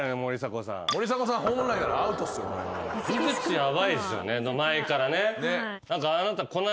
美術ヤバいっすよね前からね。